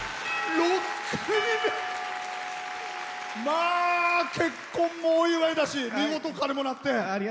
まあ、結婚もお祝いだし見事鐘も鳴って。